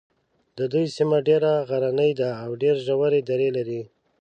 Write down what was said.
د دوی سیمه ډېره غرنۍ ده او ډېرې ژورې درې لري.